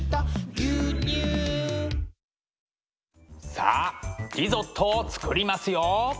さあリゾットを作りますよ。